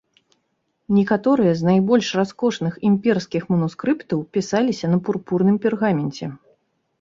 Некаторыя з найбольш раскошных імперскіх манускрыптаў пісаліся на пурпурным пергаменце.